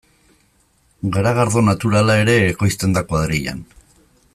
Garagardo naturala ere ekoizten da kuadrillan.